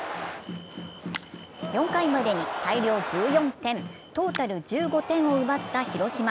４回までに大量１４点、トータル１５点を奪った広島。